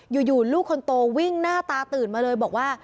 อยู่ลูกคนโตวิ่งหน้าตาตื่นมาเลยบอกว่า